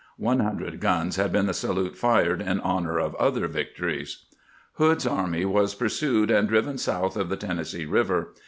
..." One hundred guns had been the salute fired in honor of other victories. Hood's army was pursued and driven south of the Tennessee River.